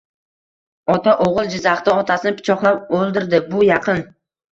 Ota: O'g'il Jizzaxda otasini pichoqlab o'ldirdi Bu yaqin